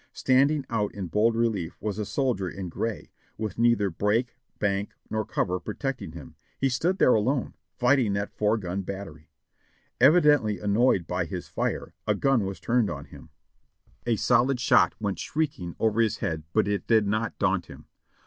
Standing out in bold relief was a soldier in gray, with neither brake, bank, nor cover protecting him. He stood there alone, fighting that four gun battery. Evidently annoyed by his fire, a gun was turned on him ; a solid shot went shrieking over his head but it did not daunt him.